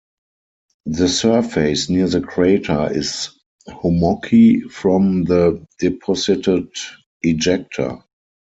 The surface near the crater is hummocky from the deposited ejecta.